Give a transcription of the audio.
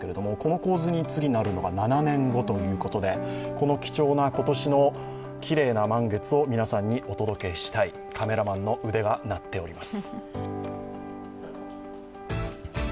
この貴重な今年のきれいな満月を皆さんにお届けしたいカメラマンの腕が鳴っております。